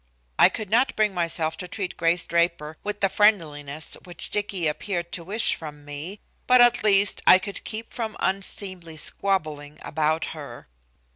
I could not bring myself to treat Grace Draper with the friendliness which Dicky appeared to wish from me, but at least I could keep from unseemly squabbling about her.